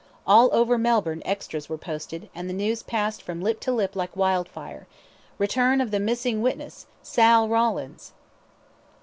All over Melbourne extras were posted, and the news passed from lip to lip like wildfire "Return of the Missing Witness, Sal Rawlins!"